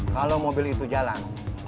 kalau mobil itu jalan